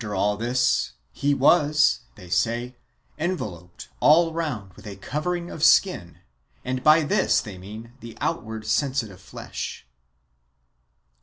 all this, he was, they say, enveloped all round with a covering of skin ; and by this they mean the outward sensitive flesh.